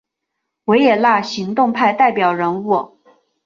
维也纳行动派代表人物。